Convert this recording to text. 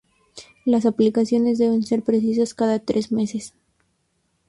Las aplicaciones deben ser precisas cada tres meses.